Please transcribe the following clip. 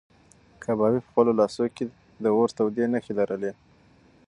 کبابي په خپلو لاسو کې د اور تودې نښې لرلې.